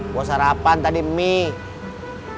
gua sarapan tadi mie